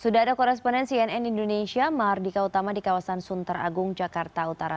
sudah ada koresponen cnn indonesia mardika utama di kawasan sunter agung jakarta utara